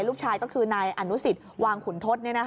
ลูกชายก็คือนายอนุสิตวางขุนทศ